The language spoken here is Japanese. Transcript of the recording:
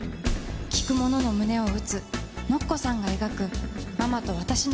聴く者の胸を打つＮＯＫＫＯさんが描くママと私の物語。